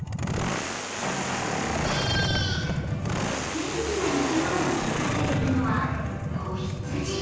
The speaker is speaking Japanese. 元気な鳴き声を響かせているのは子羊。